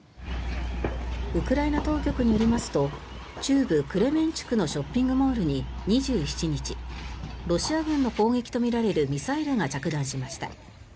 ウクライナ当局によりますと中部クレメンチュクのショッピングモールに２７日ロシア軍の攻撃とみられるミサイルが着弾しました。